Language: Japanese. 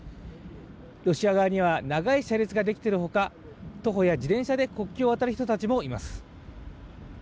ロシア側には長い車列ができているほか、徒歩や自転車で国境を渡る人たちもいます。